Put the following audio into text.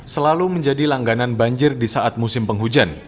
selalu menjadi langganan banjir di saat musim penghujan